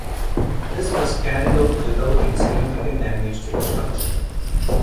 This was carried out without any significant damage to the structure.